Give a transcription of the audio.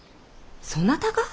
そなたが？